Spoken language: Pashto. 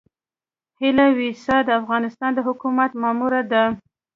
هيله ويسا د افغانستان د حکومت ماموره ده.